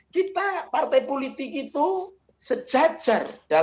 kita partai politik itu sejajar